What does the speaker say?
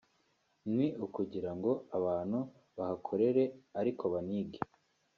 ni ukugira ngo abantu bahakorere ariko banige